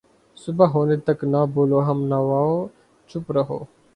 صبح ہونے تک نہ بولو ہم نواؤ ، چُپ رہو